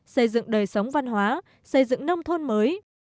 xây dựng đời sống văn hóa xây dựng nông thôn mới